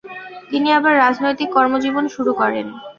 তিনি আবার রাজনৈতিক কর্মজীবন শুরু করেন।